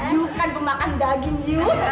you kan pemakan daging you